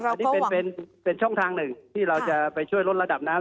อันนี้เป็นช่องทางหนึ่งที่เราจะไปช่วยลดระดับน้ำ